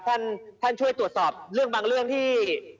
ท่านช่วยตรวจสอบเรื่องบางเรื่องที่